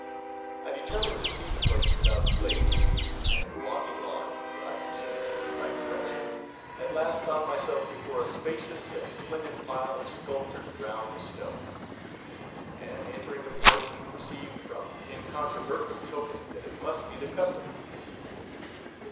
I determined to see the place without delay: and walking on, in what I presumed to be the right direction, at last found myself before a spacious and splendid pile of sculptured brown stone; and entering the porch, perceived from incontrovertible tokens that it must be the Custom house.